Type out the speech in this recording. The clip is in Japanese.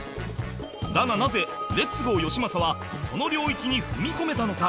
だがなぜレッツゴーよしまさはその領域に踏み込めたのか？